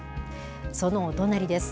そのお隣です。